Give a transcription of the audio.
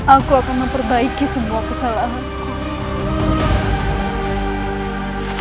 aku akan memperbaiki semua kesalahanku